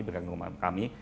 bergabung sama kami